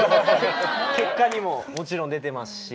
結果にももちろん出てますし。